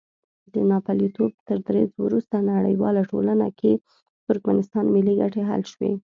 د ناپېیلتوب تر دریځ وروسته نړیواله ټولنه کې د ترکمنستان ملي ګټې حل شوې.